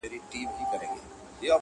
په نصيب يې وې ښادۍ او نعمتونه.!